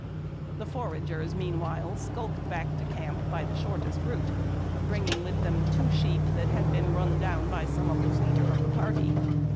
The foragers, meanwhile, skulked back to camp by the shortest route, bringing with them two sheep that had been run down by some of the fleeter of the party.